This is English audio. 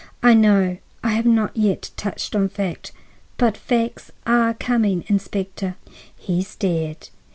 "I know. I have not yet touched on fact. But facts are coming, Inspector." He stared.